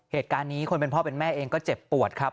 เหตุการณ์นี้คนเป็นพ่อเป็นแม่เองก็เจ็บปวดครับ